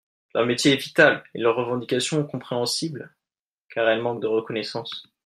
Leur métier est vital et leurs revendications compréhensibles car elles manquent de reconnaissance.